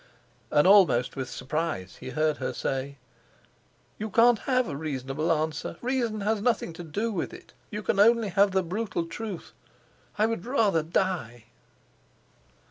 And almost with surprise he heard her say: "You can't have a reasonable answer. Reason has nothing to do with it. You can only have the brutal truth: I would rather die."